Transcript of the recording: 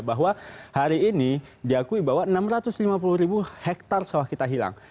bahwa hari ini diakui bahwa enam ratus lima puluh ribu hektare sawah kita hilang